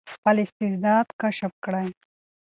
خپل استعداد کشف کړئ.